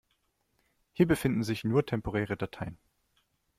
Hier befinden sich nur temporäre Dateien.